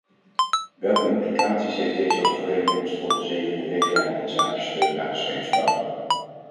Welke implicaties heeft deze overeenkomst voor de zevende richtlijn inzake steun aan de scheepsbouw?